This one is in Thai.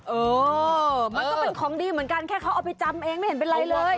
เออมันก็เป็นของดีเหมือนกันแค่เขาเอาไปจำเองไม่เห็นเป็นไรเลย